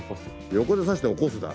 横で刺して起こすだ。